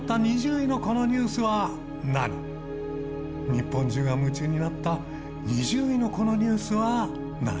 日本中が夢中になった２０位のこのニュースは何？